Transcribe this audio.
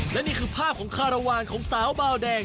แล้วนี่คือภาพของข้าระวานของสาวเบาแดง